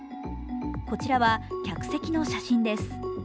こちらは客席の写真です。